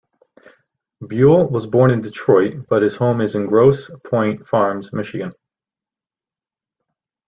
Buhl was born in Detroit but his home is Grosse Pointe Farms, Michigan.